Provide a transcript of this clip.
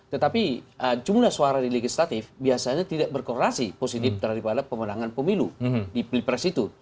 tetapi jumlah suara di legislatif biasanya tidak berkorelasi positif daripada pemenangan pemilu di pilpres itu